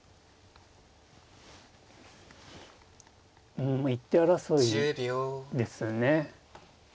うんまあ一手争いですね。